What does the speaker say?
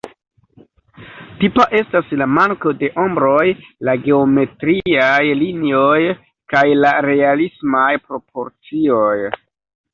Tipa estas la manko de ombroj, la geometriaj linioj, kaj la realismaj proporcioj.